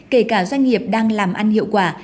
kể cả doanh nghiệp đang làm ăn hiệu quả